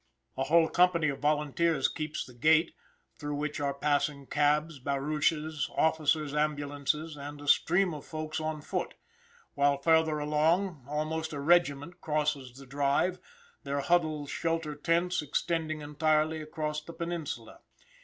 A whole company of volunteers keeps the gate, through which are passing cabs, barouches, officers' ambulances, and a stream of folks on foot; while farther along almost a regiment crosses the drive, their huddled shelter tents extending entirely across the peninsula.